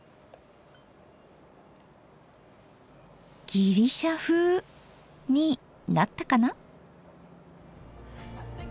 「ギリシャふう」になったかな？